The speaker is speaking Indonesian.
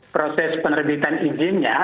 proses penerbitan izinnya